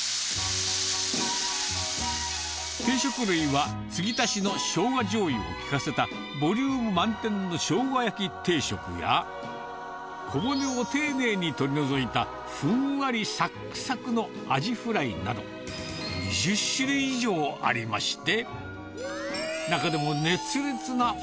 定食類は継ぎ足しのしょうがじょうゆを利かせた、ボリューム満点の生姜焼定食や、小骨を丁寧に取り除いた、ふんわり、さっくさくのアジフライなど２０種類以上ありまして。